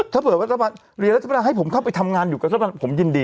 ถ้าเผื่อรัฐบาลเรียนรัฐบาลให้ผมเข้าไปทำงานอยู่กับรัฐบาลผมยินดี